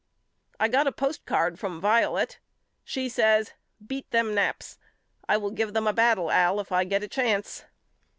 I got a postcard from Vio let. She says Beat them Naps. I will give them a battle Al if I get a chance.